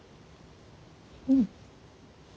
うん。